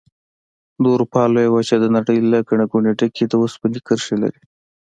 د اروپا لویه وچه د نړۍ له ګڼې ګوڼې ډکې د اوسپنې کرښې لري.